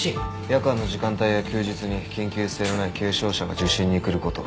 夜間の時間帯や休日に緊急性のない軽症者が受診に来ること。